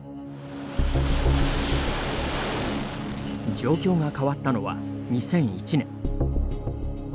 状況が変わったのは２００１年。